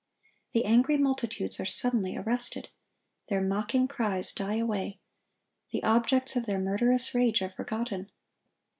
The angry multitudes are suddenly arrested. Their mocking cries die away. The objects of their murderous rage are forgotten.